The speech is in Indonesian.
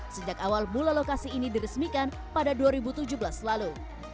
sejak awal mula lokasi ini diresmikan pada dua ribu tujuh belas lalu